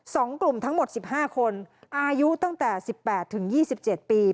สองกลุ่มทั้งหมดสิบห้าคนอายุตั้งแต่สิบแปดถึงยี่สิบเจ็ดปี